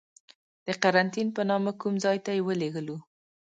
د قرنتین په نامه کوم ځای ته یې ولیږلو.